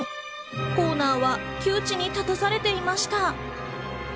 コーナーは窮地に立たされていました。